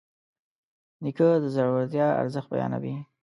نیکه د زړورتیا ارزښت بیانوي.